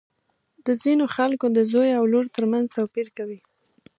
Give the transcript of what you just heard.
د ځینو خلکو د زوی او لور تر منځ توپیر کوي.